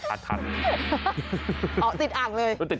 อ่อติดอังเลย